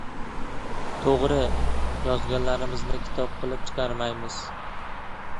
To‘g‘ri, yozganlarimizni kitob qilib chiqarmaymiz.